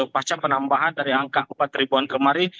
pasca penambahan dari angka empat ribuan kemarin